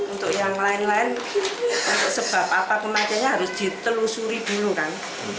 untuk yang lain lain sebab apa kematiannya harus ditelusuri dulu kan